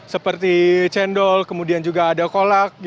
seperti cendol kemudian juga ada kolak